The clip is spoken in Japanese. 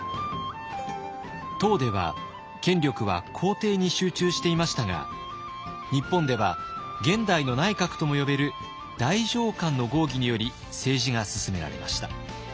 唐では権力は皇帝に集中していましたが日本では現代の内閣とも呼べる太政官の合議により政治が進められました。